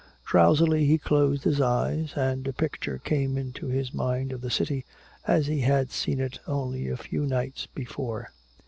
Drowsily he closed his eyes, and a picture came into his mind of the city as he had seen it only a few nights before.